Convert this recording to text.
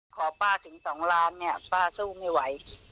ขอป้าถึง๒ล้านเนี่ยป้าสู้ไม่ไหว